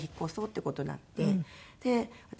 で私